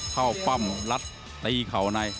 เข้าปั้่ำลัดตีเข่าใน